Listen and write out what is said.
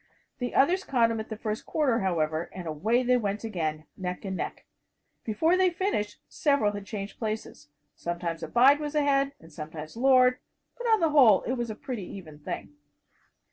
The others caught him at the first quarter, however, and away they went again, neck and neck. Before they finished, several had changed places. Sometimes "Abide" was ahead, and sometimes "Lord," but on the whole it was a pretty even thing.